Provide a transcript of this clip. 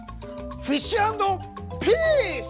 フィッシュ＆ピース！